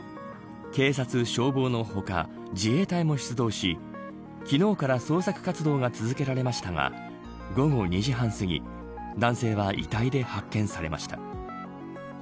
警察、消防のほか自衛隊も出動し昨日から捜索活動が続けられましたが午後２時半すぎ男性は遺体で発見されました。